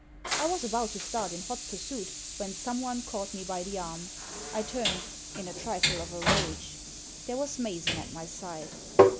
I was about to start in hot pursuit when someone caught me by the arm. I turned — in a trifle of a rage. There was Mason at my side.